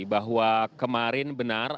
bahwa kemarin benar